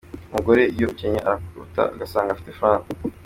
Umugore iyo ukennye araguta, agasanga abafite frw.